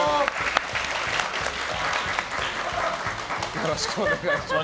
よろしくお願いします。